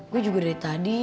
gue juga dari tadi